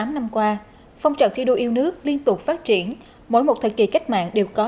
tám năm qua phong trào thi đua yêu nước liên tục phát triển mỗi một thời kỳ cách mạng đều có